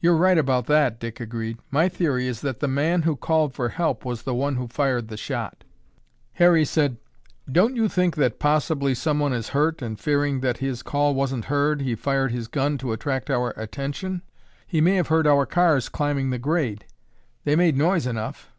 "You're right about that," Dick agreed. "My theory is that the man who called for help was the one who fired the shot." Harry said, "Don't you think that possibly someone is hurt and fearing that his call wasn't heard, he fired his gun to attract our attention? He may have heard our cars climbing the grade. They made noise enough."